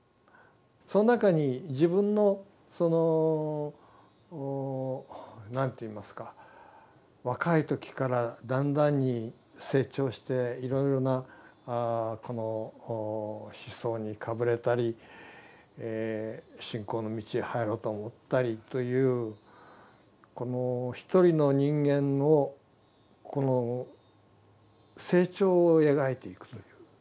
その中に自分のその何といいますか若い時からだんだんに成長していろいろな思想にかぶれたり信仰の道へ入ろうと思ったりというこの一人の人間のこの成長を描いていくという。